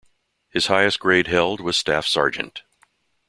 His highest grade held was staff sergeant.